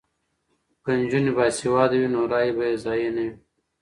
که نجونې باسواده وي نو رایې به یې ضایع نه وي.